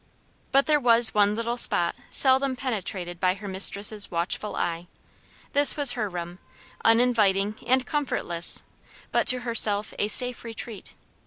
But there was one little spot seldom penetrated by her mistress' watchful eye: this was her room, uninviting and comfortless; but to herself a safe retreat.